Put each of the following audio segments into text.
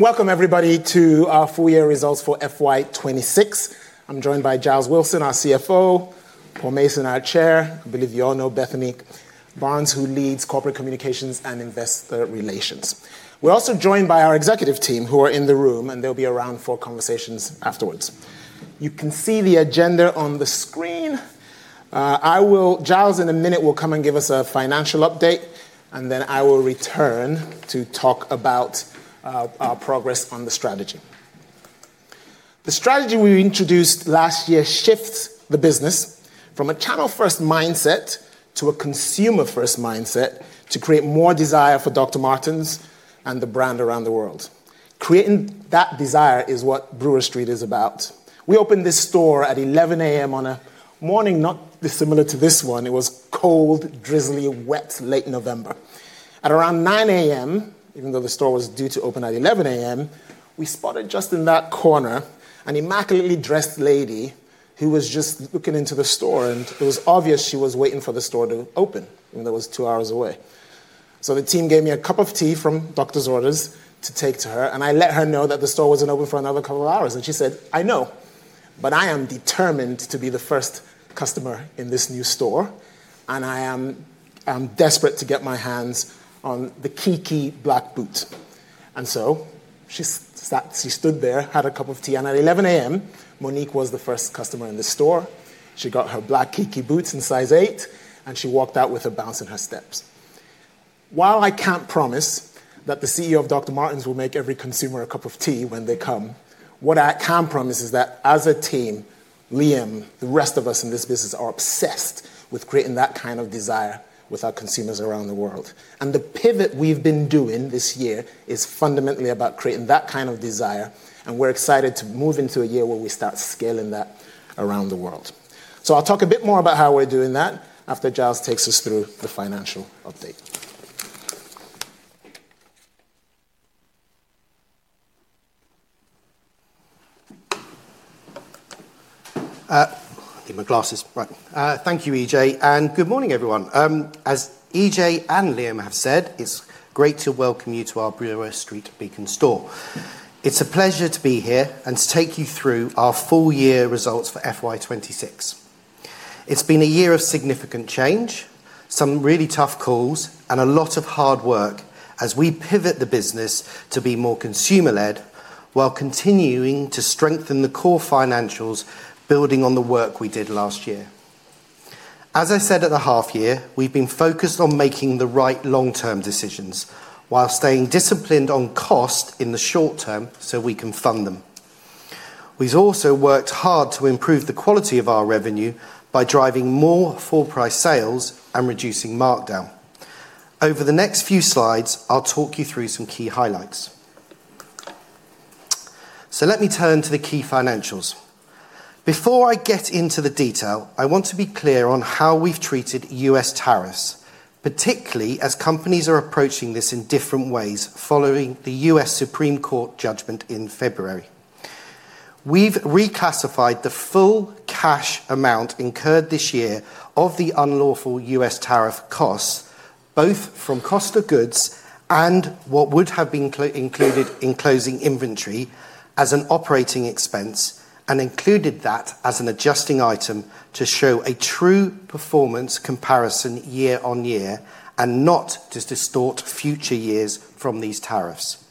Welcome everybody to our full year results for FY 2026. I'm joined by Giles Wilson, our CFO, Paul Mason, our Chair. I believe you all know Bethany Barnes, who leads Corporate Communications and Investor Relations. We're also joined by our executive team who are in the room, and they'll be around for conversations afterwards. You can see the agenda on the screen. I will Giles in a minute will come and give us a financial update, and then I will return to talk about our progress on the strategy. The strategy we introduced last year shifts the business from a channel-first mindset to a consumer-first mindset to create more desire for Dr. Martens and the brand around the world. Creating that desire is what Brewer Street is about. We opened this store at 11:00 A.M. on a morning not dissimilar to this one. It was cold, drizzly, wet, late November. At around 9:00 A.M., even though the store was due to open at 11:00 A.M., we spotted just in that corner an immaculately dressed lady who was just looking into the store. It was obvious she was waiting for the store to open, even though it was 2 hours away. The team gave me a cup of tea from Doctor's Orders to take to her. I let her know that the store wasn't open for another couple of hours. She said, "I know, I am determined to be the first customer in this new store, I'm desperate to get my hands on the Kiki black boot." She stood there, had a cup of tea. At 11:00 A.M., Monique was the first customer in the store. She got her black Kiki boots in size eight. She walked out with a bounce in her steps. While I can't promise that the CEO of Dr. Martens will make every consumer a cup of tea when they come, what I can promise is that as a team, Liam, the rest of us in this business are obsessed with creating that kind of desire with our consumers around the world. The pivot we've been doing this year is fundamentally about creating that kind of desire, and we're excited to move into a year where we start scaling that around the world. I'll talk a bit more about how we're doing that after Giles takes us through the financial update. Need my glasses. Right. Thank you, Ije, and good morning, everyone. As Ije and Liam have said, it's great to welcome you to our Brewer Street beacon store. It's a pleasure to be here and to take you through our full year results for FY 2026. It's been a year of significant change, some really tough calls, and a lot of hard work as we pivot the business to be more consumer-led while continuing to strengthen the core financials building on the work we did last year. As I said at the half year, we've been focused on making the right long-term decisions while staying disciplined on cost in the short term so we can fund them. We've also worked hard to improve the quality of our revenue by driving more full-price sales and reducing markdown. Over the next few slides, I'll talk you through some key highlights. Let me turn to the key financials. Before I get into the detail, I want to be clear on how we've treated U.S. tariffs, particularly as companies are approaching this in different ways following the U.S. Supreme Court judgment in February. We've reclassified the full cash amount incurred this year of the unlawful U.S. tariff costs, both from cost of goods and what would have been included in closing inventory as an operating expense, and included that as an adjusting item to show a true performance comparison year-on-year and not to distort future years from these tariffs.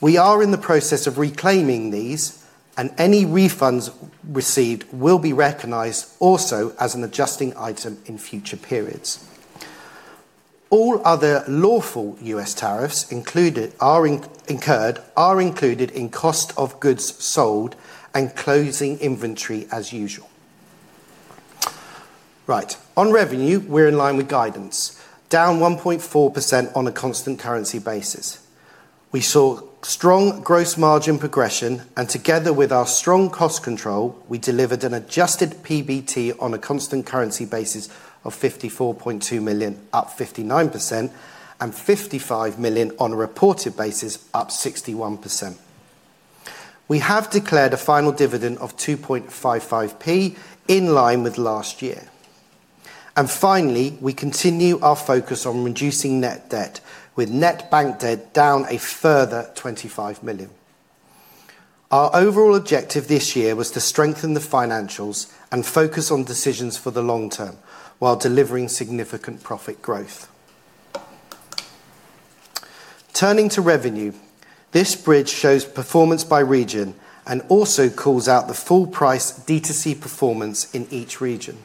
We are in the process of reclaiming these, and any refunds received will be recognized also as an adjusting item in future periods. All other lawful U.S. tariffs are incurred, are included in cost of goods sold and closing inventory as usual. Right. On revenue, we're in line with guidance, down 1.4% on a constant currency basis. We saw strong gross margin progression, together with our strong cost control, we delivered an adjusted PBT on a constant currency basis of 54.2 million, up 59%, and 55 million on a reported basis, up 61%. We have declared a final dividend of 2.55p in line with last year. Finally, we continue our focus on reducing net debt with net bank debt down a further 25 million. Our overall objective this year was to strengthen the financials and focus on decisions for the long term while delivering significant profit growth. Turning to revenue, this bridge shows performance by region and also calls out the full-price D2C performance in each region.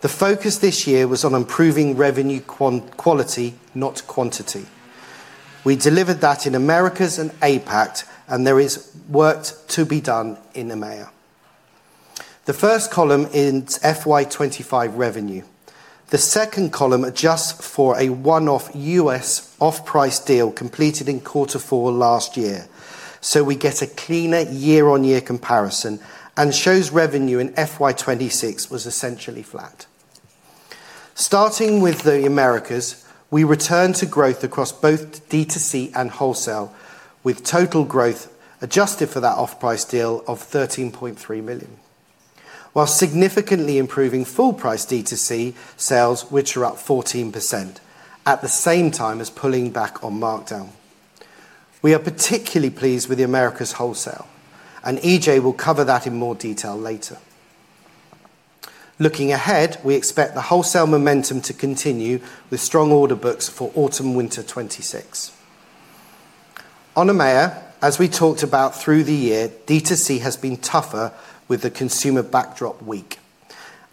The focus this year was on improving revenue quality, not quantity. We delivered that in Americas and APAC. There is work to be done in EMEA. The first column is FY 2025 revenue. The second column adjusts for a one-off U.S. off-price deal completed in Q4 last year. We get a cleaner year-on-year comparison and shows revenue in FY 2026 was essentially flat. Starting with the Americas, we returned to growth across both D2C and wholesale, with total growth adjusted for that off-price deal of 13.3 million. While significantly improving full-price D2C sales, which are up 14%, at the same time as pulling back on markdown. We are particularly pleased with the Americas wholesale. EJ will cover that in more detail later. Looking ahead, we expect the wholesale momentum to continue with strong order books for autumn/winter '26. On EMEA, as we talked about through the year, D2C has been tougher with the consumer backdrop weak,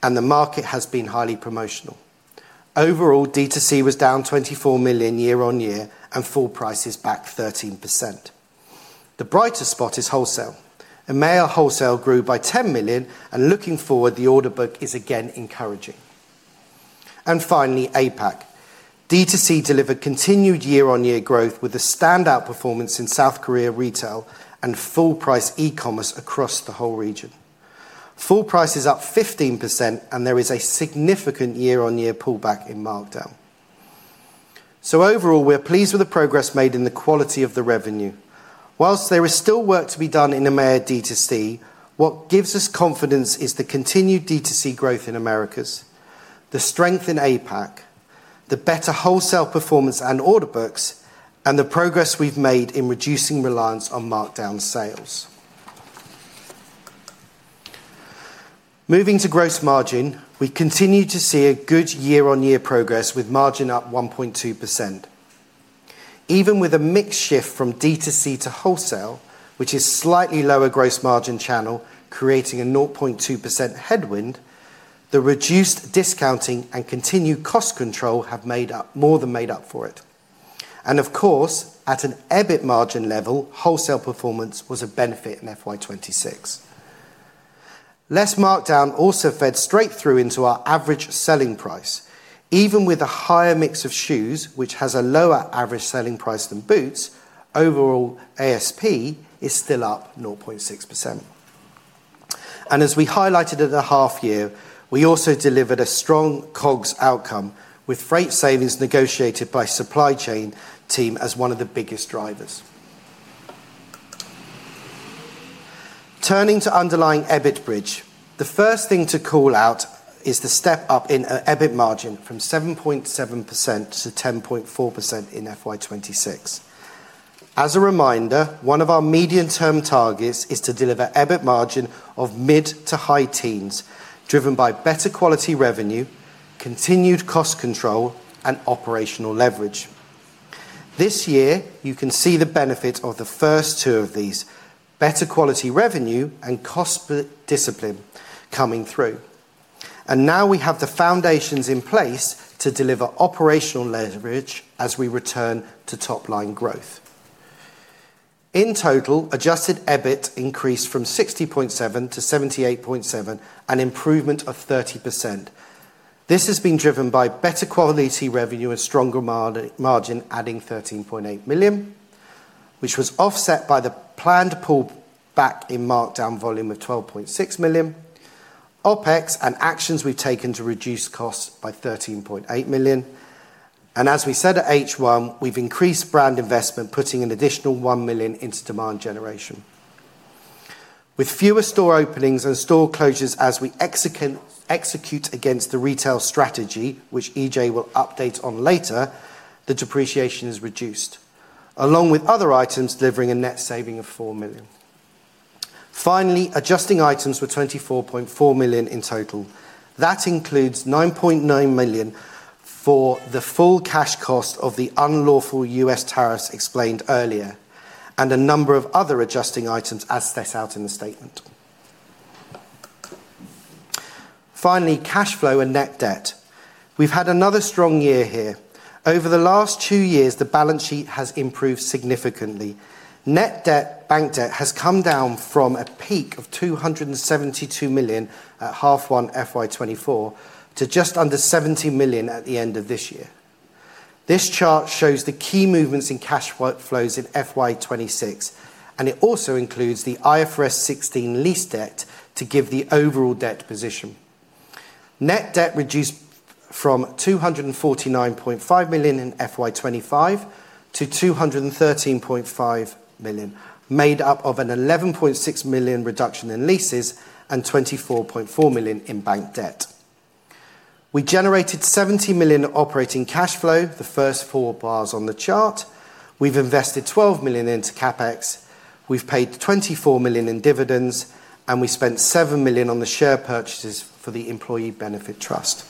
and the market has been highly promotional. Overall, D2C was down 24 million year-on-year and full prices back 13%. The brightest spot is wholesale. EMEA wholesale grew by 10 million, and looking forward, the order book is again encouraging. Finally, APAC. D2C delivered continued year-on-year growth with a standout performance in South Korea retail and full-price e-commerce across the whole region. Full price is up 15% and there is a significant year-on-year pullback in markdown. Overall, we're pleased with the progress made in the quality of the revenue. Whilst there is still work to be done in EMEA D2C, what gives us confidence is the continued D2C growth in Americas, the strength in APAC, the better wholesale performance and order books, and the progress we've made in reducing reliance on markdown sales. Moving to gross margin, we continue to see a good year-on-year progress with margin up 1.2%. Even with a mix shift from D2C to wholesale, which is slightly lower gross margin channel, creating a 0.2% headwind, the reduced discounting and continued cost control have more than made up for it. Of course, at an EBIT margin level, wholesale performance was a benefit in FY 2026. Less markdown also fed straight through into our average selling price. Even with a higher mix of shoes, which has a lower average selling price than boots, overall ASP is still up 0.6%. As we highlighted at the half year, we also delivered a strong COGS outcome with freight savings negotiated by supply chain team as one of the biggest drivers. Turning to underlying EBIT bridge, the first thing to call out is the step up in EBIT margin from 7.7% to 10.4% in FY 2026. As a reminder, one of our medium-term targets is to deliver EBIT margin of mid to high teens, driven by better quality revenue, continued cost control, and operational leverage. This year, you can see the benefit of the first two of these, better quality revenue and cost dis-discipline coming through. Now we have the foundations in place to deliver operational leverage as we return to top line growth. In total, adjusted EBIT increased from 60.7 to 78.7, an improvement of 30%. This has been driven by better quality revenue and stronger margin, adding 13.8 million, which was offset by the planned pull back in markdown volume of 12.6 million, OpEx and actions we've taken to reduce costs by 13.8 million. As we said at H1, we've increased brand investment, putting an additional 1 million into demand generation. With fewer store openings and store closures as we execute against the retail strategy, which EJ will update on later, the depreciation is reduced, along with other items delivering a net saving of 4 million. Finally, adjusting items were 24.4 million in total. That includes 9.9 million for the full cash cost of the unlawful U.S. tariffs explained earlier, and a number of other adjusting items as set out in the statement. Cash flow and net debt. We've had another strong year here. Over the last two years, the balance sheet has improved significantly. Net debt, bank debt, has come down from a peak of 272 million at half one FY 2024 to just under 70 million at the end of this year. This chart shows the key movements in cash flow-flows in FY 2026, and it also includes the IFRS 16 lease debt to give the overall debt position. Net debt reduced from 249.5 million in FY 2025 to 213.5 million, made up of an 11.6 million reduction in leases and 24.4 million in bank debt. We generated 70 million operating cash flow, the first four bars on the chart. We've invested 12 million into CapEx, we've paid 24 million in dividends, and we spent 7 million on the share purchases for the employee benefit trust.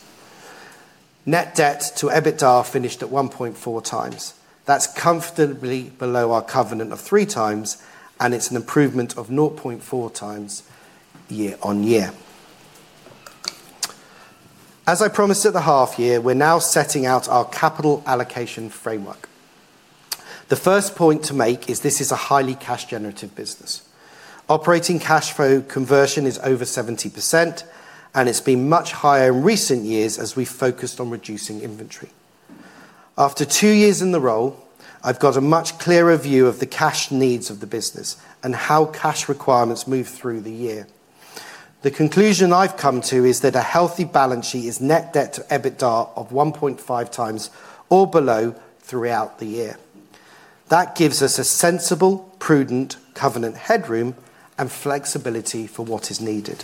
Net debt to EBITDA finished at 1.4 times. That's comfortably below our covenant of three times, and it's an improvement of 0.4 times year-on-year. As I promised at the half year, we're now setting out our capital allocation framework. Operating cash flow conversion is over 70%, and it's been much higher in recent years as we focused on reducing inventory. After two years in the role, I've got a much clearer view of the cash needs of the business and how cash requirements move through the year. The conclusion I've come to is that a healthy balance sheet is net debt to EBITDA of 1.5x or below throughout the year. That gives us a sensible, prudent covenant headroom and flexibility for what is needed.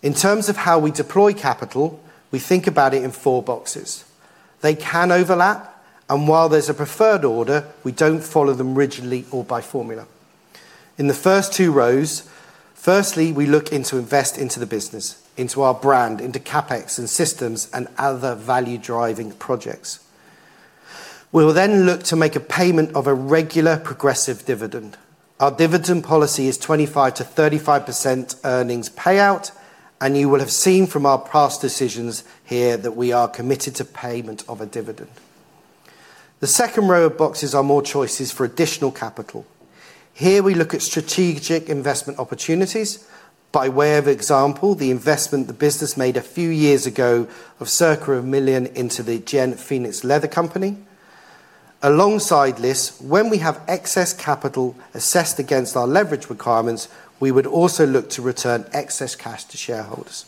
In terms of how we deploy capital, we think about it in four boxes. They can overlap, and while there's a preferred order, we don't follow them rigidly or by formula. In the first two rows, firstly, we look into invest into the business, into our brand, into CapEx and systems and other value-driving projects. We will then look to make a payment of a regular progressive dividend. Our dividend policy is 25%-35% earnings payout, and you will have seen from our past decisions here that we are committed to payment of a dividend. The second row of boxes are more choices for additional capital. Here we look at strategic investment opportunities. By way of example, the investment the business made a few years ago of circa 1 million into the Gen Phoenix Leather Company. Alongside this, when we have excess capital assessed against our leverage requirements, we would also look to return excess cash to shareholders.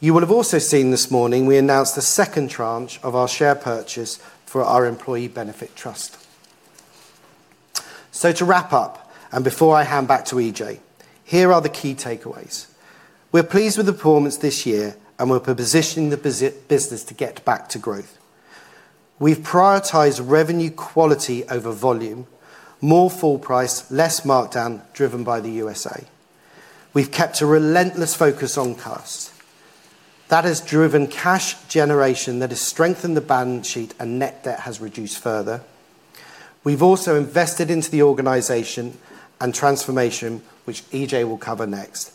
You will have also seen this morning we announced the second tranche of our share purchase for our employee benefit trust. To wrap up, and before I hand back to EJ, here are the key takeaways. We're pleased with the performance this year. We're positioning the business to get back to growth. We've prioritized revenue quality over volume, more full price, less markdown, driven by the USA. We've kept a relentless focus on costs. That has driven cash generation that has strengthened the balance sheet. Net debt has reduced further. We've also invested into the organization and transformation, which Ije will cover next.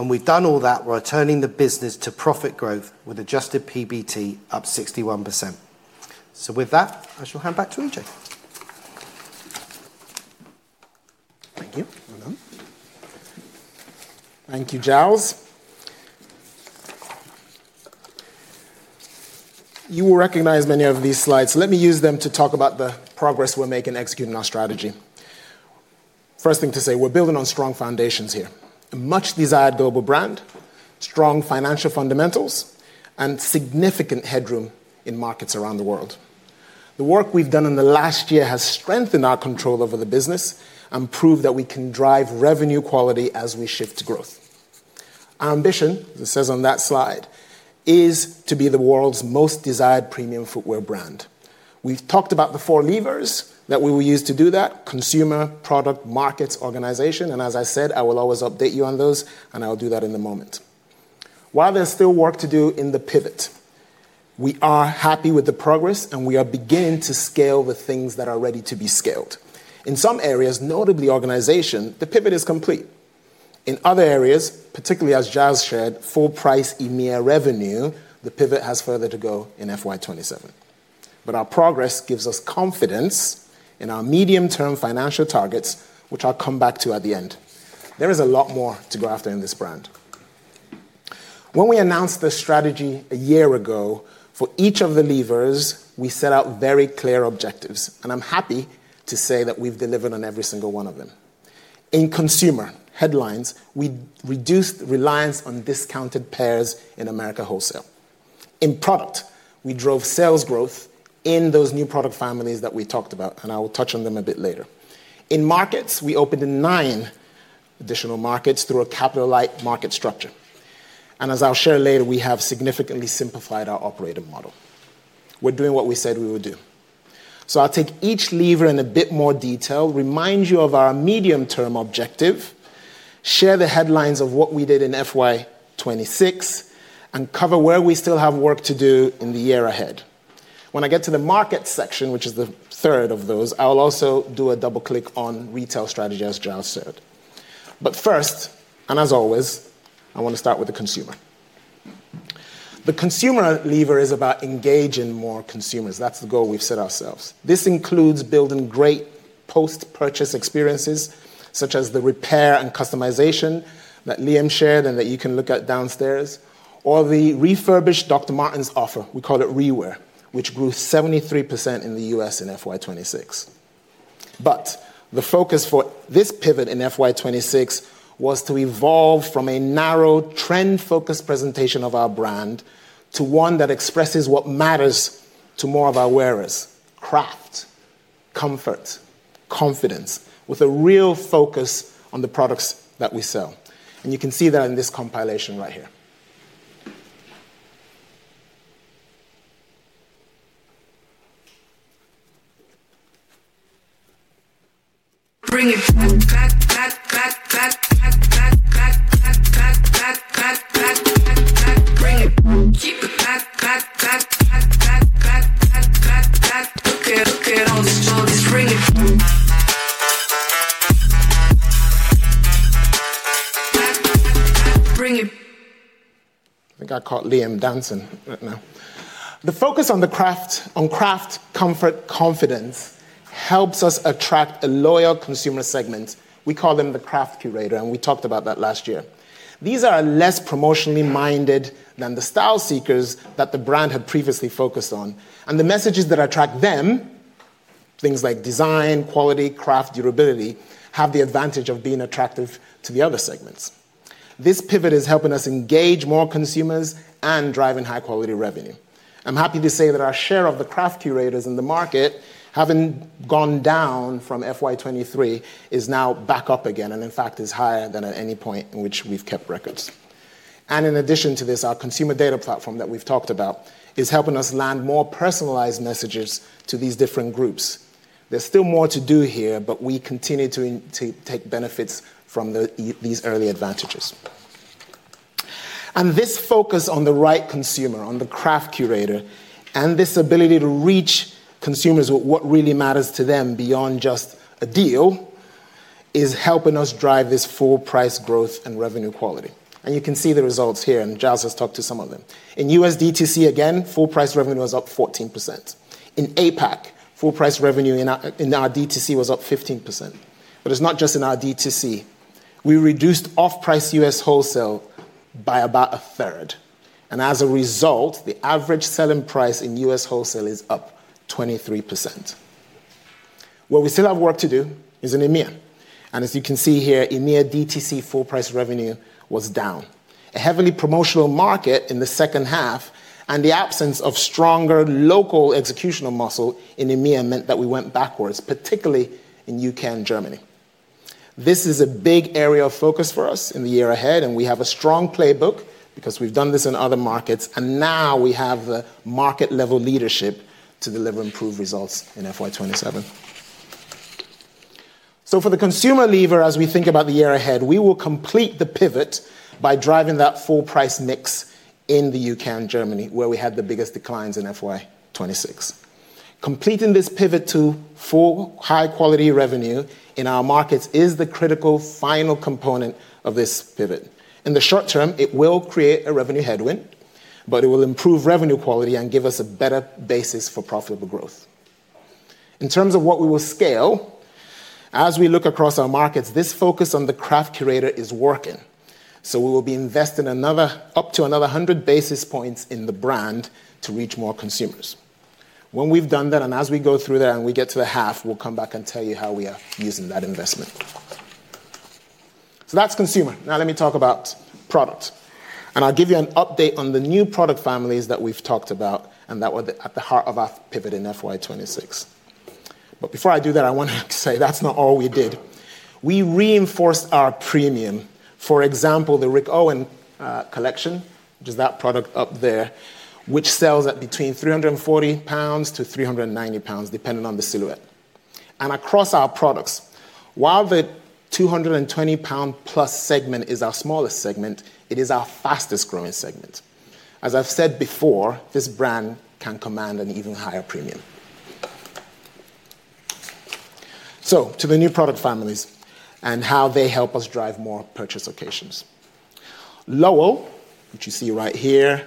We've done all that while turning the business to profit growth with adjusted PBT up 61%. With that, I shall hand back to Ije. Thank you. Well done. Thank you, Giles. You will recognize many of these slides. Let me use them to talk about the progress we're making executing our strategy. First thing to say, we're building on strong foundations here. A much desired global brand, strong financial fundamentals, and significant headroom in markets around the world. The work we've done in the last year has strengthened our control over the business and proved that we can drive revenue quality as we shift growth. Our ambition, it says on that slide, is to be the world's most desired premium footwear brand. We've talked about the four levers that we will use to do that, consumer, product, markets, organization and as I said, I will always update you on those, and I will do that in a moment. While there's still work to do in the pivot, we are happy with the progress, and we are beginning to scale the things that are ready to be scaled. In some areas, notably organization, the pivot is complete. In other areas, particularly as Giles shared, full price EMEA revenue, the pivot has further to go in FY 2027. Our progress gives us confidence in our medium-term financial targets, which I'll come back to at the end. There is a lot more to go after in this brand. When we announced this strategy a year ago, for each of the levers, we set out very clear objectives, and I'm happy to say that we've delivered on every single one of them. In consumer headlines, we reduced reliance on discounted pairs in Americas wholesale. In product, we drove sales growth in those new product families that we talked about, and I will touch on them a bit later. In markets, we opened in 9 additional markets through a capital-light market structure. As I'll share later, we have significantly simplified our operating model. We're doing what we said we would do. I'll take each lever in a bit more detail, remind you of our medium-term objective, share the headlines of what we did in FY26, and cover where we still have work to do in the year ahead. When I get to the market section, which is the third of those, I will also do a double-click on retail strategy, as Giles said. First, and as always, I wanna start with the consumer. The consumer lever is about engaging more consumers. That's the goal we've set ourselves. This includes building great post-purchase experiences, such as the repair and customization that Liam shared and that you can look at downstairs, or the refurbished Dr. Martens offer, we call it ReWair, which grew 73% in the U.S. in FY 2026. The focus for this pivot in FY 2026 was to evolve from a narrow, trend-focused presentation of our brand to one that expresses what matters to more of our wearers: craft, comfort, confidence, with a real focus on the products that we sell. You can see that in this compilation right here. Bring it. Back, back, back, back, back, back, back, back, bring it. Keep it back, back, back, back, back. Look at all this smoke. It is ringing. Back, back, bring it. I think I caught Liam dancing right now. The focus on craft, comfort, confidence helps us attract a loyal consumer segment. We call them the craft curator, and we talked about that last year. These are less promotionally minded than the style seekers that the brand had previously focused on. The messages that attract them. Things like design, quality, craft, durability have the advantage of being attractive to the other segments. This pivot is helping us engage more consumers and driving high-quality revenue. I'm happy to say that our share of the craft curators in the market, having gone down from FY 2023, is now back up again, and in fact is higher than at any point in which we've kept records. In addition to this, our consumer data platform that we've talked about is helping us land more personalized messages to these different groups. There's still more to do here, we continue to take benefits from these early advantages. This focus on the right consumer, on the craft curator, and this ability to reach consumers with what really matters to them beyond just a deal is helping us drive this full price growth and revenue quality. You can see the results here, and Giles has talked to some of them. In USDTC, again, full price revenue was up 14%. In APAC, full price revenue in our DTC was up 15%. It's not just in our DTC. We reduced off-price US wholesale by about a third. As a result, the average selling price in US wholesale is up 23%. Where we still have work to do is in EMEA. As you can see here, EMEA DTC full price revenue was down. A heavily promotional market in the second half and the absence of stronger local executional muscle in EMEA meant that we went backwards, particularly in U.K. and Germany. This is a big area of focus for us in the year ahead, and we have a strong playbook because we've done this in other markets, and now we have the market-level leadership to deliver improved results in FY 2027. For the consumer lever, as we think about the year ahead, we will complete the pivot by driving that full price mix in the U.K. and Germany, where we had the biggest declines in FY 2026. Completing this pivot to full high-quality revenue in our markets is the critical final component of this pivot. In the short term, it will create a revenue headwind, but it will improve revenue quality and give us a better basis for profitable growth. In terms of what we will scale, as we look across our markets, this focus on the craft curator is working. We will be investing another-- up to another 100 basis points in the brand to reach more consumers. When we've done that, and as we go through that and we get to the half, we'll come back and tell you how we are using that investment. That's consumer. Let me talk about product. I'll give you an update on the new product families that we've talked about and that were at the heart of our pivot in FY 2026. Before I do that, I want to say that's not all we did. We reinforced our premium. For example, the Rick Owens collection, which is that product up there, which sells at between 340 pounds to 390 pounds, depending on the silhouette. Across our products, while the 220-plus pound segment is our smallest segment, it is our fastest-growing segment. As I've said before, this brand can command an even higher premium. To the new product families and how they help us drive more purchase occasions. Lowell, which you see right here,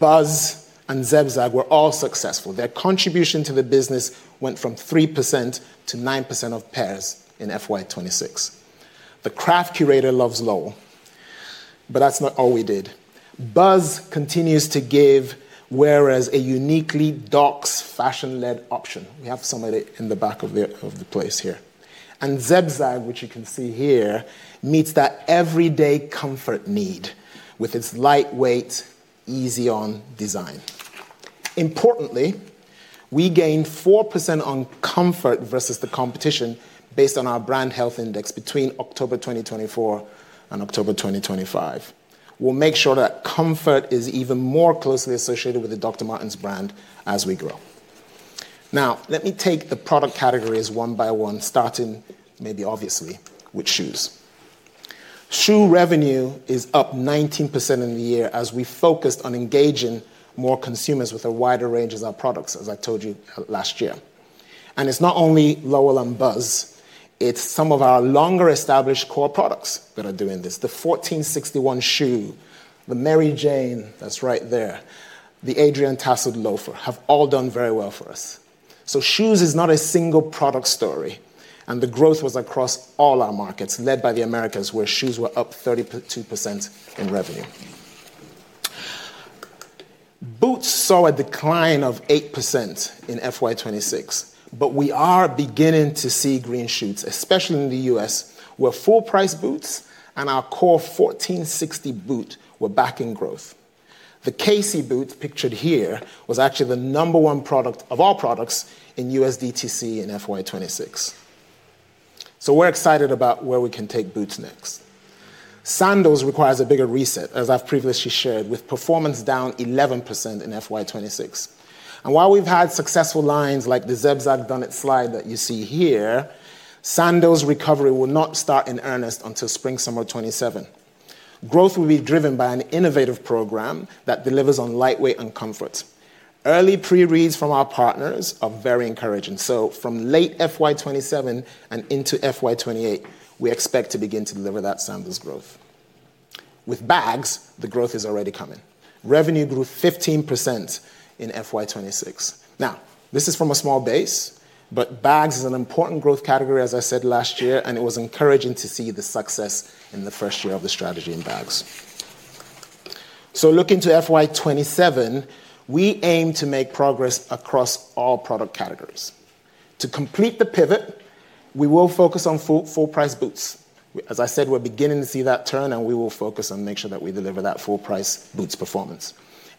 Buzz, and Zebzag were all successful. Their contribution to the business went from 3% to 9% of pairs in FY 2026. The craft curators loves Lowell, but that's not all we did. Buzz continues to give wearers a uniquely Doc's fashion-led option. We have some of it in the back of the place here. Zebzag, which you can see here, meets that everyday comfort need with its lightweight, easy-on design. Importantly, we gained 4% on comfort versus the competition based on our brand health index between October 2024 and October 2025. We'll make sure that comfort is even more closely associated with the Dr. Martens brand as we grow. Now, let me take the product categories one by one, starting maybe obviously with shoes. Shoe revenue is up 19% in the year as we focused on engaging more consumers with a wider range of our products, as I told you last year. It's not only Lowell and Buzz. It's some of our longer-established core products that are doing this. The 1461 shoe, the Mary Jane that's right there, the Adrian Tassel Loafer have all done very well for us. Shoes is not a single product story, and the growth was across all our markets, led by the Americas, where shoes were up 32% in revenue. Boots saw a decline of 8% in FY 2026, but we are beginning to see green shoots, especially in the U.S., where full-price boots and our core 1460 boot were backing growth. The Kasey boot pictured here was actually the number one product of all products in USDTC in FY 2026. We're excited about where we can take boots next. Sandals requires a bigger reset, as I've previously shared, with performance down 11% in FY 2026. While we've had successful lines like the Zebzag Dunnet Slide that you see here, sandals recovery will not start in earnest until spring/summer 2027. Growth will be driven by an innovative program that delivers on lightweight and comfort. Early pre-reads from our partners are very encouraging. From late FY 2027 and into FY 2028, we expect to begin to deliver that sandals growth. With bags, the growth is already coming. Revenue grew 15% in FY 2026. This is from a small base, but bags is an important growth category, as I said last year, and it was encouraging to see the success in the first year of the strategy in bags. Looking to FY 2027, we aim to make progress across all product categories. To complete the pivot, we will focus on full-price boots. As I said, we're beginning to see that turn, and we will focus on making sure that we deliver that full-price boots performance.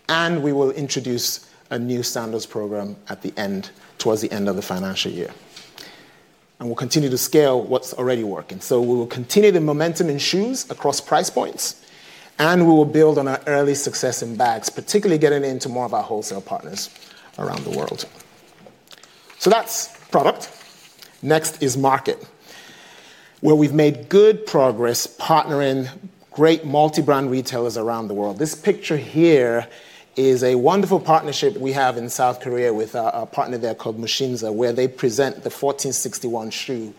We will introduce a new standards program towards the end of the financial year. We'll continue to scale what's already working. We will continue the momentum in shoes across price points, and we will build on our early success in Bags, particularly getting into more of our wholesale partners around the world. Next is market, where we've made good progress partnering great multi-brand retailers around the world. This picture here is a wonderful partnership we have in South Korea with our partner there called MUSINSA, where they present the 1461 shoe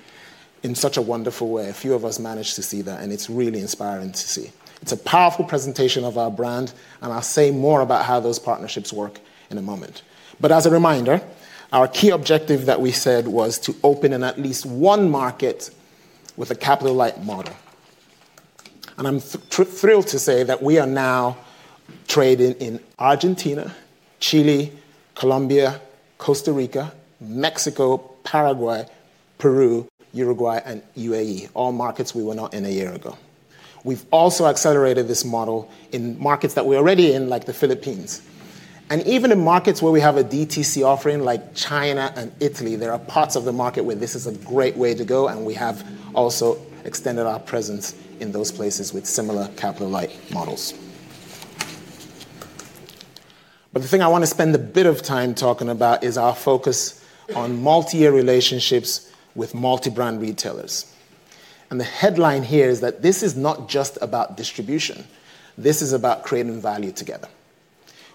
in such a wonderful way. A few of us managed to see that, and it's really inspiring to see. It's a powerful presentation of our brand, and I'll say more about how those partnerships work in a moment. As a reminder, our key objective that we said was to open in at least 1 market with a capital-light model. I'm thrilled to say that we are now trading in Argentina, Chile, Colombia, Costa Rica, Mexico, Paraguay, Peru, Uruguay, and UAE. All markets we were not in a year ago. We've also accelerated this model in markets that we're already in, like the Philippines. Even in markets where we have a DTC offering, like China and Italy, there are parts of the market where this is a great way to go, and we have also extended our presence in those places with similar capital-light models. The thing I wanna spend a bit of time talking about is our focus on multi-year relationships with multi-brand retailers. The headline here is that this is not just about distribution. This is about creating value together.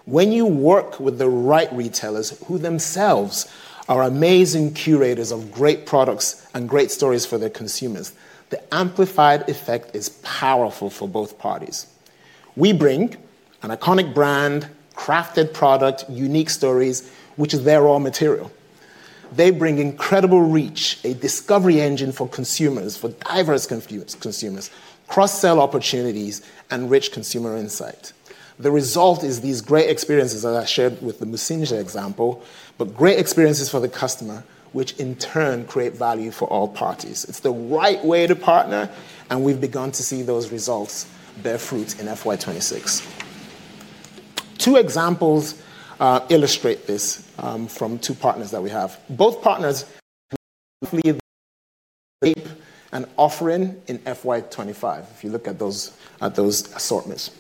When you work with the right retailers who themselves are amazing curators of great products and great stories for their consumers, the amplified effect is powerful for both parties. We bring an iconic brand, crafted product, unique stories, which is their raw material. They bring incredible reach, a discovery engine for consumers, for diverse consumers, cross-sell opportunities, and rich consumer insight. The result is these great experiences that I shared with the MUSINSA example, but great experiences for the customer, which in turn create value for all parties. It's the right way to partner, and we've begun to see those results bear fruit in FY 2026. Two examples illustrate this from two partners that we have. Both partners an offering in FY 2025, if you look at those assortments.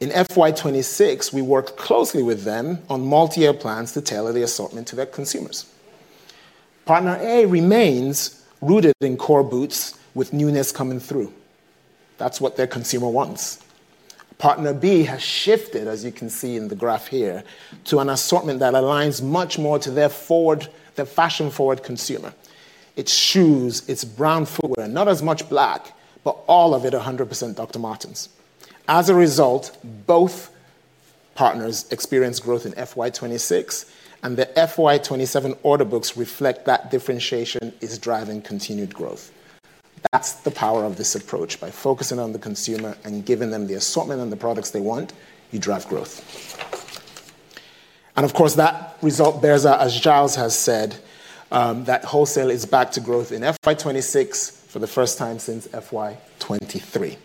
In FY 2026, we worked closely with them on multi-year plans to tailor the assortment to their consumers. Partner A remains rooted in core boots with newness coming through. That's what their consumer wants. Partner B has shifted, as you can see in the graph here, to an assortment that aligns much more to the fashion-forward consumer. It's shoes, it's brown footwear, not as much black, but all of it 100% Dr. Martens. As a result, both partners experienced growth in FY 2026, and the FY 2027 order books reflect that differentiation is driving continued growth. That's the power of this approach. By focusing on the consumer and giving them the assortment and the products they want, you drive growth. Of course, that result bears out, as Giles has said, that wholesale is back to growth in FY 2026 for the first time since FY 2023.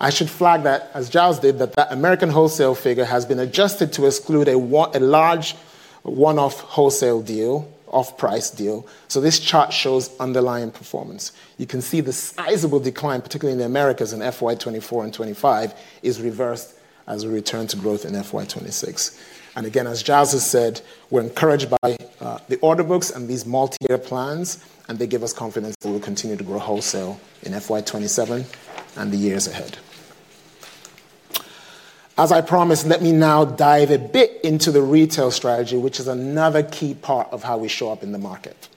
I should flag that, as Giles did, that that American wholesale figure has been adjusted to exclude a large, one-off wholesale deal, off-price deal, so this chart shows underlying performance. You can see the sizable decline, particularly in the Americas in FY 2024 and 25, is reversed as we return to growth in FY 2026. Again, as Giles has said, we're encouraged by the order books and these multi-year plans, and they give us confidence that we'll continue to grow wholesale in FY 2027 and the years ahead. As I promised, let me now dive a bit into the retail strategy, which is another key part of how we show up in the market.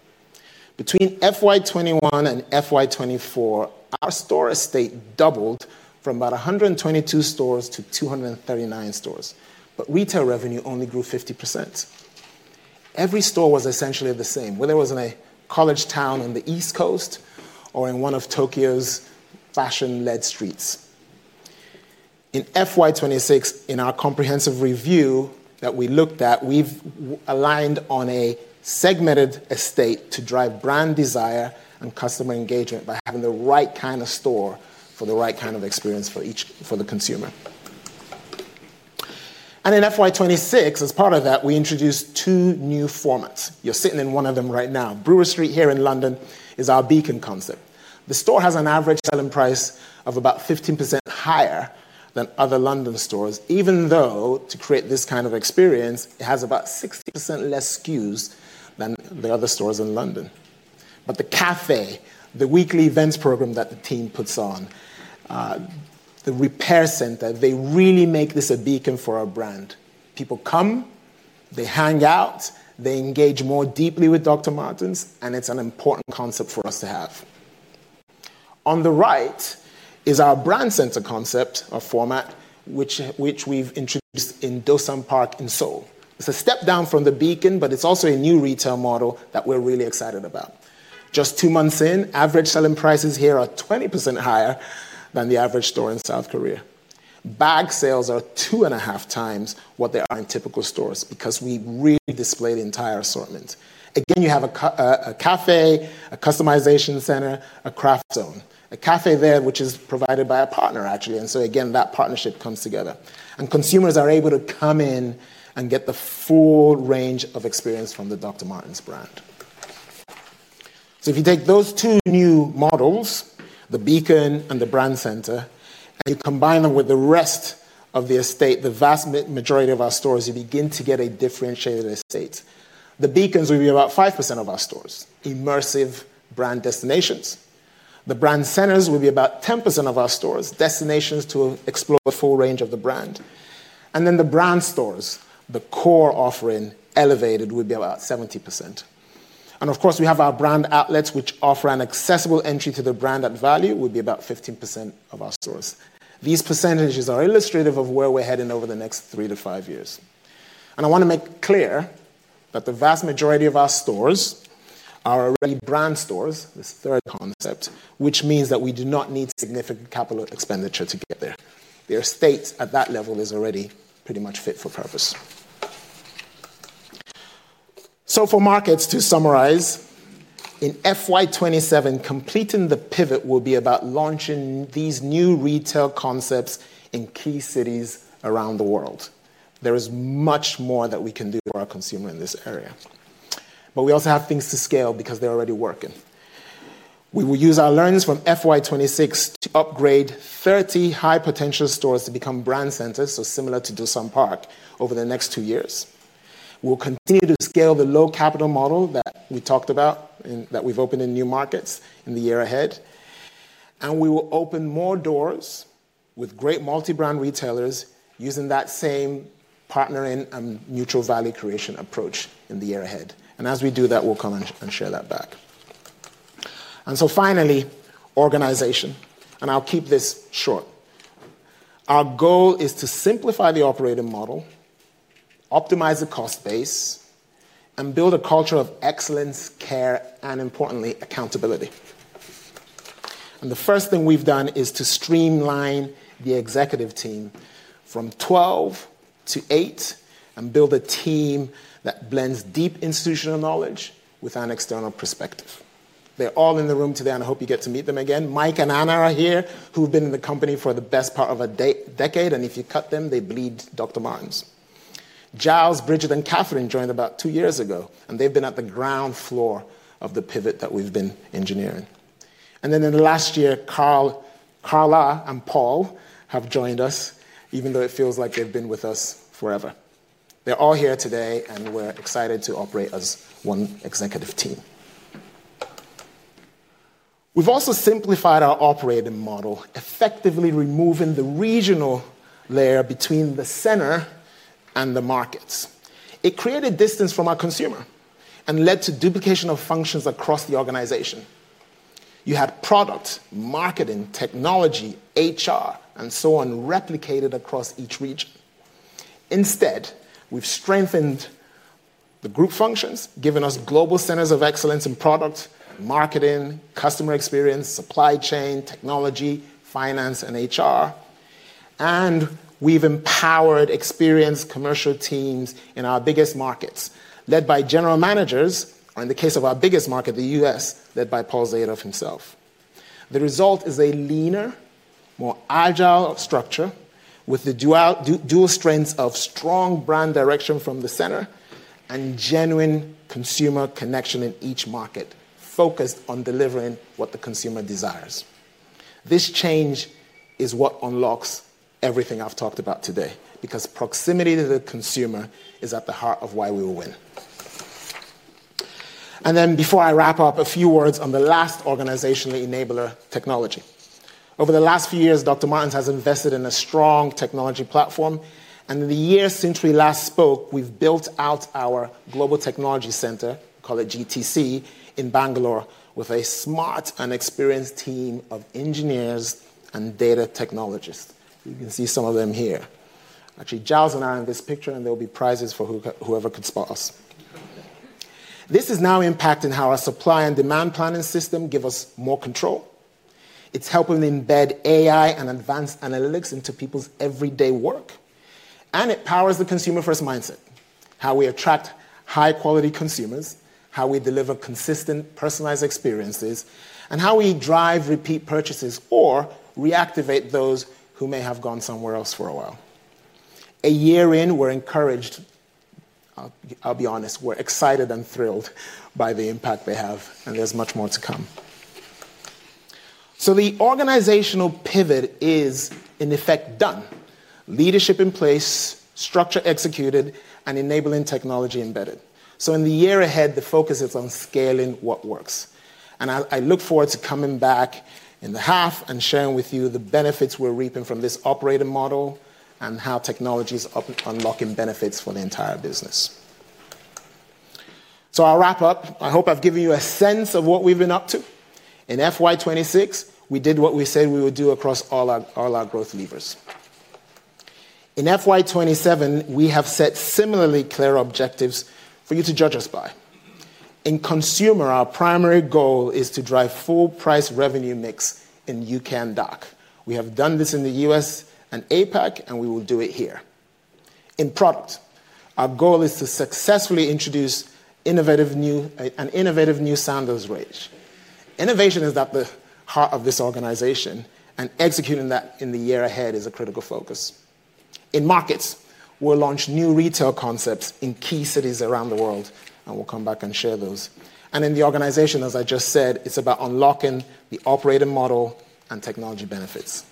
Between FY 2021 and FY 2024, our store estate doubled from about 122 stores to 239 stores. Retail revenue only grew 50%. Every store was essentially the same, whether it was in a college town on the East Coast or in one of Tokyo's fashion-led streets. In FY 2026, in our comprehensive review that we looked at, we've aligned on a segmented estate to drive brand desire and customer engagement by having the right kind of store for the right kind of experience for the consumer. In FY 2026, as part of that, we introduced two new formats. You're sitting in one of them right now. Brewer Street here in London is our Beacon concept. The store has an average selling price of about 15% higher than other London stores, even though to create this kind of experience, it has about 60% less SKUs than the other stores in London. The cafe, the weekly events program that the team puts on, the repair center, they really make this a beacon for our brand. People come, they hang out, they engage more deeply with Dr. Martens, and it's an important concept for us to have. On the right is our brand center concept or format, which we've introduced in Dosan Park in Seoul. It's a step down from the Beacon, but it's also a new retail model that we're really excited about. Just two months in, average selling prices here are 20% higher than the average store in South Korea. Bag sales are two and a half times what they are in typical stores because we really display the entire assortment. Again, you have a cafe, a customization center, a craft zone. A cafe there which is provided by a partner actually, again, that partnership comes together. Consumers are able to come in and get the full range of experience from the Dr. Martens brand. If you take those two new models, the beacon and the brand center, and you combine them with the rest of the estate, the vast majority of our stores, you begin to get a differentiated estate. The beacons will be about 5% of our stores, immersive brand destinations. The brand centers will be about 10% of our stores, destinations to explore the full range of the brand. The brand stores, the core offering elevated, will be about 70%. We have our brand outlets which offer an accessible entry to the brand at value, will be about 15% of our stores. These percentages are illustrative of where we're heading over the next three to five years. I wanna make clear that the vast majority of our stores are already brand stores, this third concept, which means that we do not need significant capital expenditure to get there. The estate at that level is already pretty much fit for purpose. For markets, to summarize, in FY 2027, completing the pivot will be about launching these new retail concepts in key cities around the world. There is much more that we can do for our consumer in this area. We also have things to scale because they're already working. We will use our learnings from FY 2026 to upgrade 30 high-potential stores to become brand centers, so similar to Dosan Park, over the next two years. We'll continue to scale the low capital model that we talked about and that we've opened in new markets in the year ahead, and we will open more doors with great multi-brand retailers using that same partnering and mutual value creation approach in the year ahead. As we do that, we'll come and share that back. Finally, organization, and I'll keep this short. Our goal is to simplify the operating model, optimize the cost base, and build a culture of excellence, care, and importantly, accountability. The first thing we've done is to streamline the executive team from 12 to eight and build a team that blends deep institutional knowledge with an external perspective. They're all in the room today, and I hope you get to meet them again. Mike and Anna are here, who've been in the company for the best part of a decade, and if you cut them, they bleed Dr. Martens. Giles, Bridget, and Kathryn joined about two years ago, and they've been at the ground floor of the pivot that we've been engineering. Then in the last year, Carla and Paul have joined us, even though it feels like they've been with us forever. They're all here today, and we're excited to operate as one executive team. We've also simplified our operating model, effectively removing the regional layer between the center and the markets. It created distance from our consumer and led to duplication of functions across the organization. You had product, marketing, technology, HR, and so on replicated across each region. We've strengthened the group functions, giving us global centers of excellence in product, marketing, customer experience, supply chain, technology, finance, and HR. We've empowered experienced commercial teams in our biggest markets, led by general managers, or in the case of our biggest market, the U.S., led by Paul Zadoff himself. The result is a leaner, more agile structure with the dual strengths of strong brand direction from the center and genuine consumer connection in each market, focused on delivering what the consumer desires. This change is what unlocks everything I've talked about today, because proximity to the consumer is at the heart of why we will win. Before I wrap up, a few words on the last organizational enabler, technology. Over the last few years, Dr. Martens has invested in a strong technology platform, and in the year since we last spoke, we've built out our Global Technology Center, called GTC, in Bangalore with a smart and experienced team of engineers and data technologists. You can see some of them here. Actually, Giles and I are in this picture, and there'll be prizes for whoever can spot us. This is now impacting how our supply and demand planning system give us more control. It's helping embed AI and advanced analytics into people's everyday work, and it powers the consumer-first mindset. How we attract high-quality consumers, how we deliver consistent personalized experiences, and how we drive repeat purchases or reactivate those who may have gone somewhere else for a while. A year in, we're encouraged, I'll be honest, we're excited and thrilled by the impact they have. There's much more to come. The organizational pivot is, in effect, done. Leadership in place, structure executed, and enabling technology embedded. In the year ahead, the focus is on scaling what works. I look forward to coming back in the half and sharing with you the benefits we're reaping from this operating model and how technology's unlocking benefits for the entire business. I'll wrap up. I hope I've given you a sense of what we've been up to. In FY 2026, we did what we said we would do across all our growth levers. In FY 2027, we have set similarly clear objectives for you to judge us by. In consumer, our primary goal is to drive full price revenue mix in U.K. and DACH. We have done this in the U.S. and APAC, and we will do it here. In product, our goal is to successfully introduce an innovative new sandals range. Innovation is at the heart of this organization, and executing that in the year ahead is a critical focus. In markets, we'll launch new retail concepts in key cities around the world, and we'll come back and share those. In the organization, as I just said, it's about unlocking the operating model and technology benefits.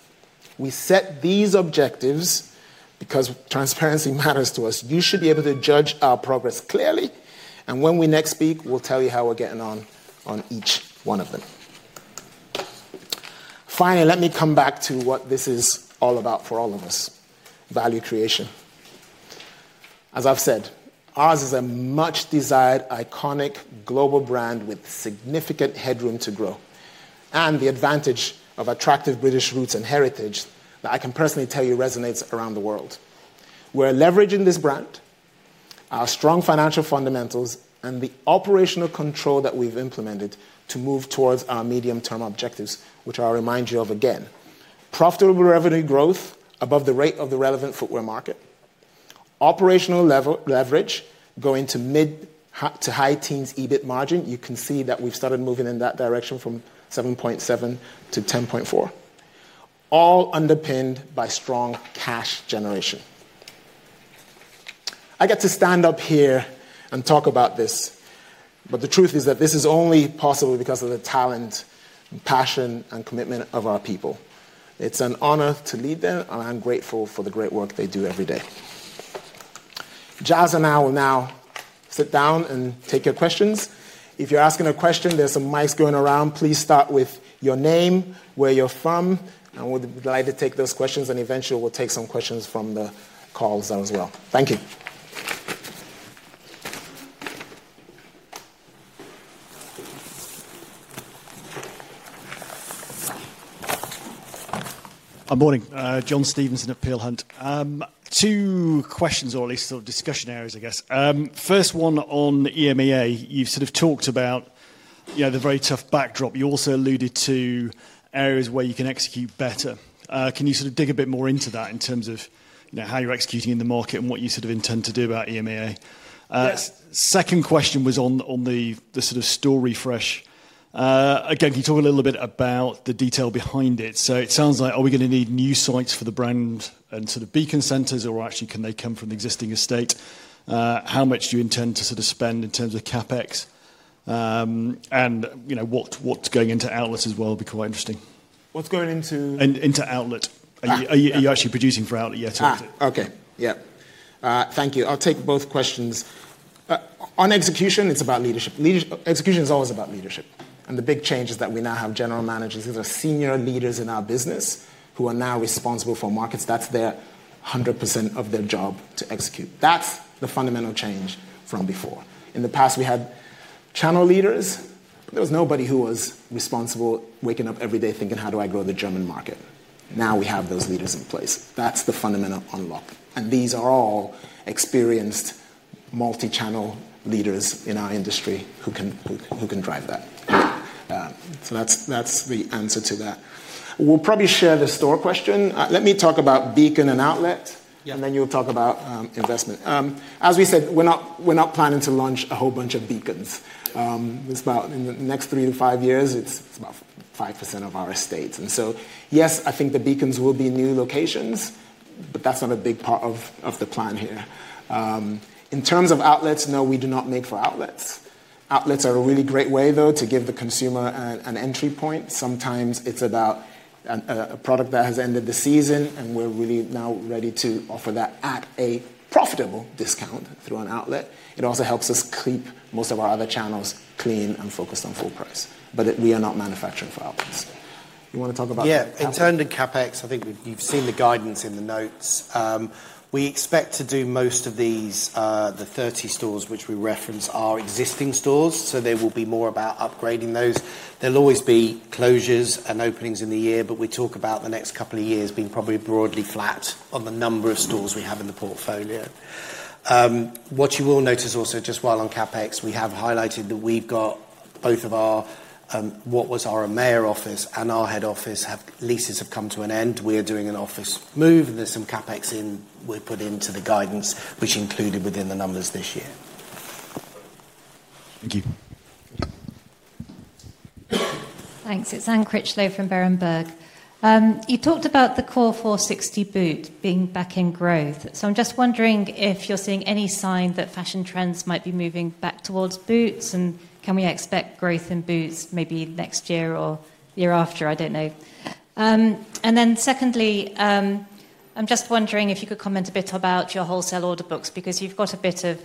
We set these objectives because transparency matters to us. You should be able to judge our progress clearly, and when we next speak, we'll tell you how we're getting on on each one of them. Finally, let me come back to what this is all about for all of us: value creation. As I've said, ours is a much desired, iconic global brand with significant headroom to grow and the advantage of attractive British roots and heritage that I can personally tell you resonates around the world. We're leveraging this brand, our strong financial fundamentals, and the operational control that we've implemented to move towards our medium-term objectives, which I'll remind you of again. Profitable revenue growth above the rate of the relevant footwear market. Operational leverage going to mid to high teens EBIT margin. You can see that we've started moving in that direction from 7.7% to 10.4%. All underpinned by strong cash generation. The truth is that this is only possible because of the talent and passion and commitment of our people. It's an honor to lead them, and I am grateful for the great work they do every day. Giles and I will now sit down and take your questions. If you're asking a question, there's some mics going around. Please start with your name, where you're from, and we'd be glad to take those questions, and eventually, we'll take some questions from the calls there as well. Thank you. Morning. John Stevenson of Peel Hunt. Two questions, or at least sort of discussion areas, I guess. First one on EMEA. You've sort of talked about, you know, the very tough backdrop. You also alluded to areas where you can execute better. Can you sort of dig a bit more into that in terms of, you know, how you're executing in the market and what you sort of intend to do about EMEA? Yeah. Second question was on the sort of store refresh. Again, can you talk a little bit about the detail behind it? It sounds like, are we gonna need new sites for the brand and sort of beacon centers, or actually can they come from the existing estate? How much do you intend to sort of spend in terms of CapEx? You know, what's going into outlet as well would be quite interesting. What's going into? into outlet. Are you actually producing for outlet yet? Thank you. I'll take both questions. On execution, it's about leadership. Execution is always about leadership. The big change is that we now have general managers. These are senior leaders in our business who are now responsible for markets. That's their 100% of their job to execute. That's the fundamental change from before. In the past, we had channel leaders. There was nobody who was responsible waking up every day thinking, "How do I grow the German market?" Now we have those leaders in place. That's the fundamental unlock. These are all experienced multi-channel leaders in our industry who can drive that. That's the answer to that. We'll probably share the store question. Let me talk about Beacon and outlet. Yeah. You'll talk about investment. As we said, we're not planning to launch a whole bunch of Beacons. It's about in the next three to five years, it's about 5% of our estate. Yes, I think the Beacons will be new locations, but that's not a big part of the plan here. In terms of outlets, no, we do not make for outlets. Outlets are a really great way though to give the consumer an entry point. Sometimes it's about a product that has ended the season, and we're really now ready to offer that at a profitable discount through an outlet. It also helps us keep most of our other channels clean and focused on full price. We are not manufacturing for outlets. You want to talk about. In terms of CapEx, I think you've seen the guidance in the notes. We expect to do most of these, the 30 stores which we reference our existing stores, so they will be more about upgrading those. There'll always be closures and openings in the year, but we talk about the next couple of years being probably broadly flat on the number of stores we have in the portfolio. What you will notice also just while on CapEx, we have highlighted that we've got both of our, what was our mayor office and our head office, leases have come to an end. We're doing an office move. There's some CapEx we put into the guidance, which included within the numbers this year. Thank you. Thank you. Thanks. It's Anne Critchlow from Berenberg. You talked about the 1460 boot being back in growth. I'm just wondering if you're seeing any sign that fashion trends might be moving back towards boots, and can we expect growth in boots maybe next year or year after? I don't know. Secondly, I'm just wondering if you could comment a bit about your wholesale order books, because you've got a bit of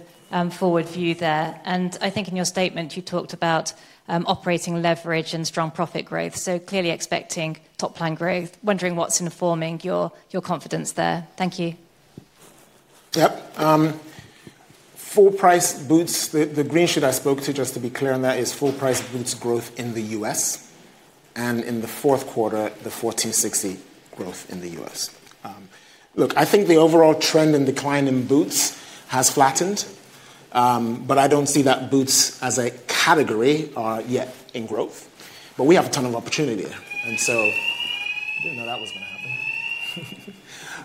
forward view there. I think in your statement, you talked about operating leverage and strong profit growth. Clearly expecting top-line growth. Wondering what's informing your confidence there. Thank you. Yep. Full price boots, the green sheet I spoke to, just to be clear on that, is full price boots growth in the U.S., and in the fourth quarter, the 1460 growth in the U.S. Look, I think the overall trend and decline in boots has flattened. I don't see that boots as a category are yet in growth. We have a ton of opportunity. Didn't know that was going to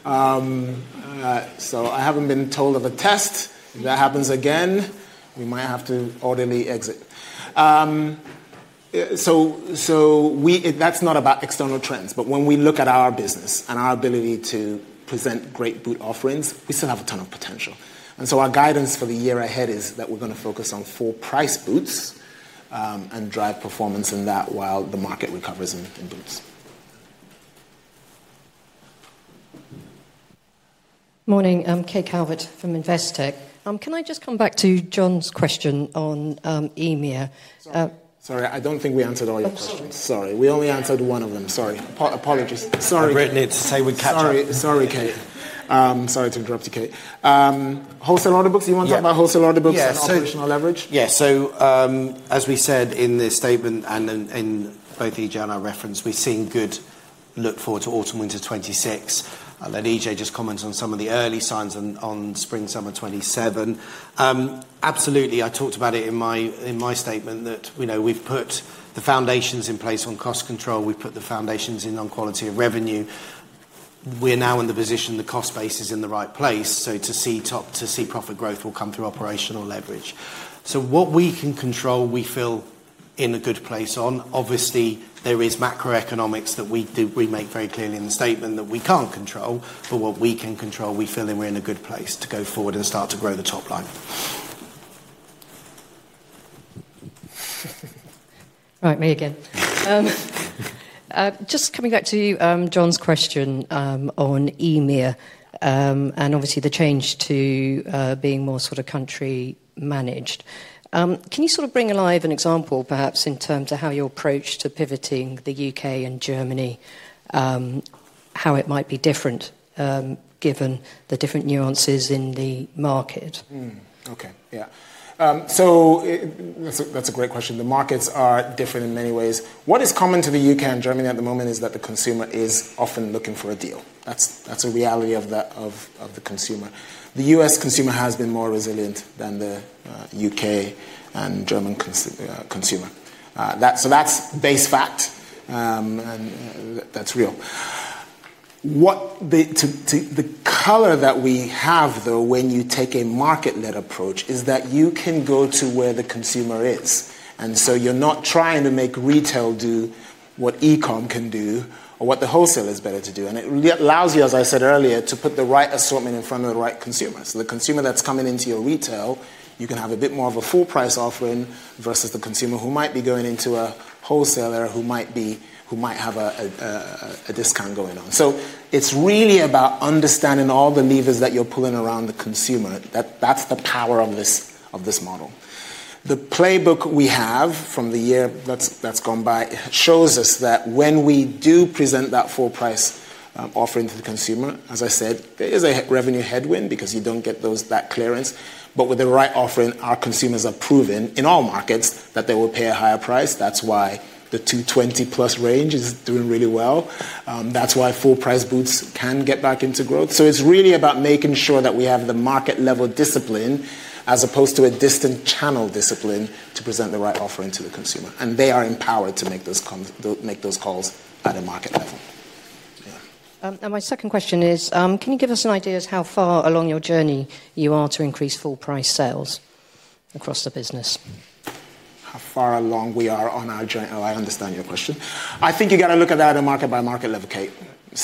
happen. I haven't been told of a test. If that happens again, we might have to orderly exit. That's not about external trends, when we look at our business and our ability to present great boot offerings, we still have a ton of potential. Our guidance for the year ahead is that we're gonna focus on full price boots and drive performance in that while the market recovers in boots. Morning. I'm Kate Calvert from Investec. Can I just come back to John's question on EMEA? Sorry, I don't think we answered all your questions. Oh, sorry. Sorry. We only answered one of them. Sorry. Apologies. Sorry. I've written it to say we'd catch up. Sorry, Kate. Sorry to interrupt you, Kate. Wholesale order books? You wanna talk about wholesale order books? Yeah operational leverage? Yeah, as we said in the statement and in both EJ and I referenced, we're seeing good look forward to autumn/winter 2026. EJ just commented on some of the early signs on spring/summer 2027. Absolutely, I talked about it in my statement that, you know, we've put the foundations in place on cost control, we've put the foundations in on quality of revenue. We're now in the position, the cost base is in the right place, to see profit growth will come through operational leverage. What we can control, we feel in a good place on. Obviously, there is macroeconomics that we make very clear in the statement that we can't control. What we can control, we feel that we're in a good place to go forward and start to grow the top line. Me again. Just coming back to John's question on EMEA, and obviously the change to being more sort of country managed. Can you sort of bring alive an example perhaps in terms of how your approach to pivoting the U.K. and Germany, how it might be different, given the different nuances in the market? Okay, yeah. That's a great question. The markets are different in many ways. What is common to the U.K. and Germany at the moment is that the consumer is often looking for a deal. That's a reality of the consumer. The U.S. consumer has been more resilient than the U.K. and German consumer. That's base fact. That's real. The color that we have though, when you take a market-led approach, is that you can go to where the consumer is, you're not trying to make retail do what eCom can do or what the wholesaler is better to do. It allows you, as I said earlier, to put the right assortment in front of the right consumer. The consumer that's coming into your retail, you can have a bit more of a full price offering versus the consumer who might be going into a wholesaler who might have a discount going on. It's really about understanding all the levers that you're pulling around the consumer. That's the power of this model. The playbook we have from the year that's gone by shows us that when we do present that full price offering to the consumer, as I said, there is a revenue headwind because you don't get that clearance. With the right offering, our consumers have proven, in all markets, that they will pay a higher price. That's why the 220+ range is doing really well. That's why full price boots can get back into growth. It's really about making sure that we have the market level discipline as opposed to a distant channel discipline to present the right offering to the consumer, and they are empowered to make those calls at a market level. Yeah. My second question is, can you give us an idea as how far along your journey you are to increase full price sales across the business? Oh, I understand your question. I think you got to look at that at a market by market level, Kate.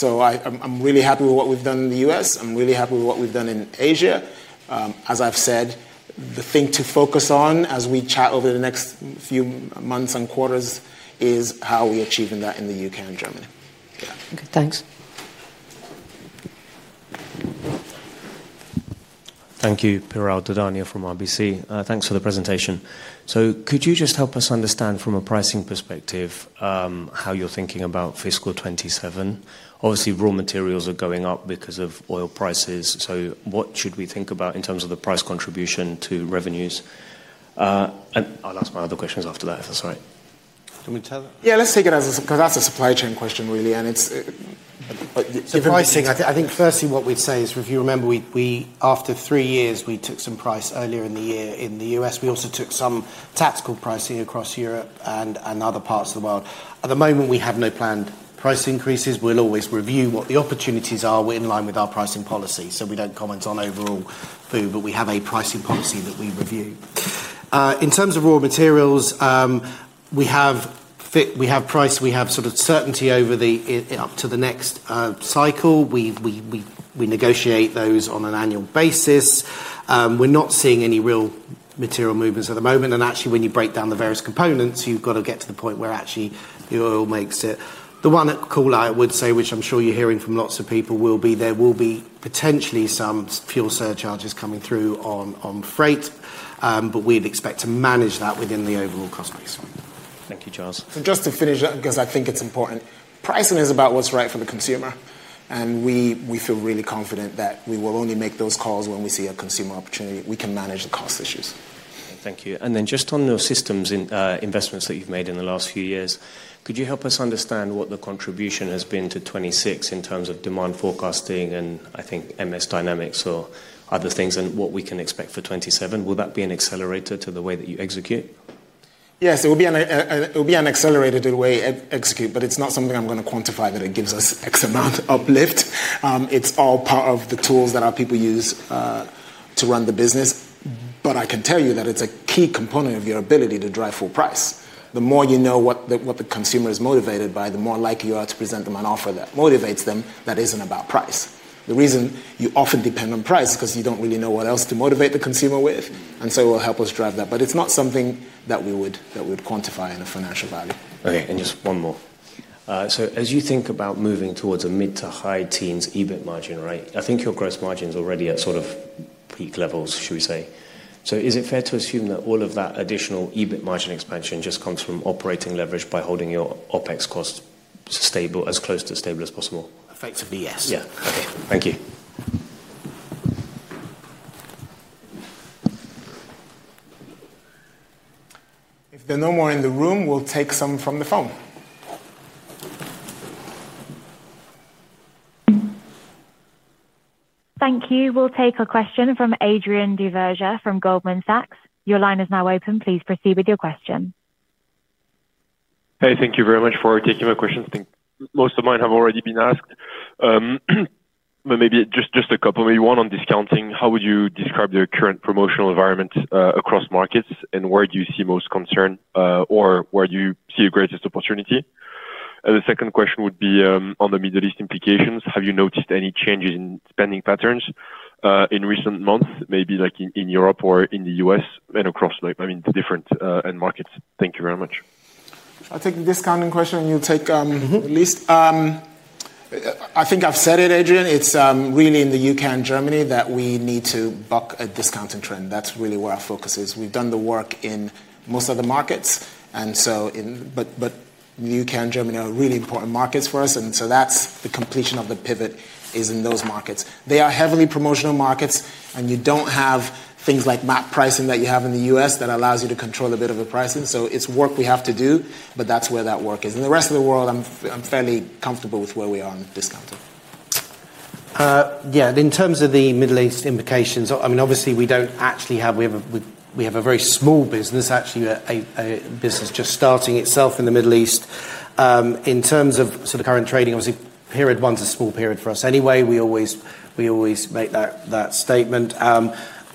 I'm really happy with what we've done in the U.S. I'm really happy with what we've done in Asia. As I've said, the thing to focus on as we chat over the next few months and quarters is how are we achieving that in the U.K. and Germany. Okay, thanks. Thank you. Piral Dadhania from RBC. thanks for the presentation. Could you just help us understand from a pricing perspective, how you're thinking about FY 2027? Obviously, raw materials are going up because of oil prices. What should we think about in terms of the price contribution to revenues? I'll ask my other questions after that if that's all right. Can we take that? Yeah, let's take it because that's a supply chain question really, and it's, so if I may. Pricing, if you remember, after three years, we took some price earlier in the U.S. We also took some tactical pricing across Europe and other parts of the world. At the moment, we have no planned price increases. We'll always review what the opportunities are. We're in line with our pricing policy, so we don't comment on overall, but we have a pricing policy that we review. In terms of raw materials, we have sort of certainty over the next cycle. We negotiate those on an annual basis. We're not seeing any real material movements at the moment, and actually, when you break down the various components, you've gotta get to the point where actually the oil makes it. The one call I would say, which I'm sure you're hearing from lots of people, will be there will be potentially some fuel surcharges coming through on freight. We'd expect to manage that within the overall cost base. Thank you, Giles. Just to finish up, because I think it's important. Pricing is about what's right for the consumer, and we feel really confident that we will only make those calls when we see a consumer opportunity. We can manage the cost issues. Thank you. Just on those systems in investments that you've made in the last few years, could you help us understand what the contribution has been to 26 in terms of demand forecasting and I think Microsoft Dynamics or other things, and what we can expect for 27? Will that be an accelerator to the way that you execute? Yes. It will be an accelerator to the way we execute, but it's not something I'm going to quantify that it gives us X amount uplift. It's all part of the tools that our people use to run the business. I can tell you that it's a key component of your ability to drive full price. The more you know what the consumer is motivated by, the more likely you are to present them an offer that motivates them that isn't about price. The reason you often depend on price, because you don't really know what else to motivate the consumer with, it will help us drive that. It's not something that we would, that we would quantify in a financial value. Okay. Just one more. As you think about moving towards a mid-to-high teens EBIT margin, right? I think your gross margin's already at sort of peak levels, should we say. Is it fair to assume that all of that additional EBIT margin expansion just comes from operating leverage by holding your OpEx cost stable, as close to stable as possible? Effectively, yes. Yeah. Okay. Thank you. If there are no more in the room, we'll take some from the phone. Thank you. We'll take a question from Adrien Duverger from Goldman Sachs. Hey, thank you very much for taking my questions. I think most of mine have already been asked. But maybe just a couple. Maybe one on discounting. How would you describe your current promotional environment across markets, and where do you see most concern or where do you see your greatest opportunity? The second question would be on the Middle East implications. Have you noticed any changes in spending patterns in recent months, maybe like in Europe or in the U.S. and across, like, I mean different end markets? Thank you very much. I'll take the discounting question. Middle East. I think I've said it, Adrien. It's really in the U.K. and Germany that we need to buck a discounting trend. That's really where our focus is. We've done the work in most other markets. U.K. and Germany are really important markets for us, and so that's the completion of the pivot is in those markets. They are heavily promotional markets. You don't have things like MAP pricing that you have in the U.S. that allows you to control a bit of the pricing. It's work we have to do, but that's where that work is. In the rest of the world, I'm fairly comfortable with where we are on discounting. Yeah. In terms of the Middle East implications, I mean, obviously, we have a very small business, actually a business just starting itself in the Middle East. In terms of sort of current trading, obviously period one's a small period for us anyway. We always make that statement.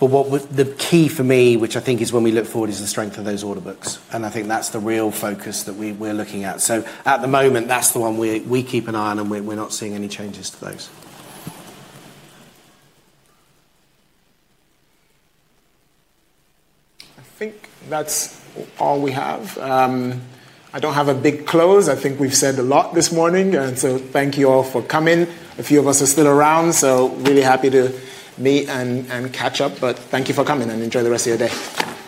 But the key for me, which I think is when we look forward, is the strength of those order books, and I think that's the real focus that we're looking at. At the moment, that's the one we keep an eye on, and we're not seeing any changes to those. I think that's all we have. I don't have a big close. I think we've said a lot this morning. Thank you all for coming. A few of us are still around, so really happy to meet and catch up. Thank you for coming, and enjoy the rest of your day.